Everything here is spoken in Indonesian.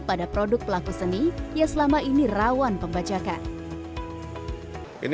pada produk pelaku seni yang selama ini rawan pembajakan